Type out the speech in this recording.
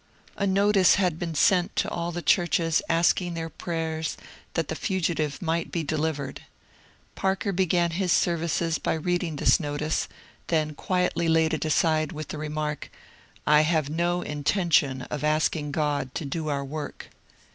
A notice had been sent to iJl the churches asking their prayers that the fugitive might be deliv ered. Parker began his services by reading this notice, then quietly laid it aside with the remark, *^ I have no intention of asking God to do our work."